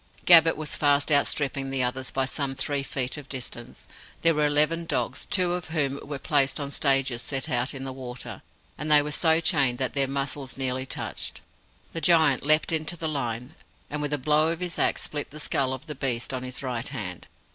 Gabbett was fast outstripping the others by some three feet of distance. There were eleven dogs, two of whom were placed on stages set out in the water, and they were so chained that their muzzles nearly touched. The giant leapt into the line, and with a blow of his axe split the skull of the beast on his right hand.